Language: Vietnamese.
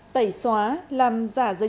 tẩy xóa làm giả dây trứng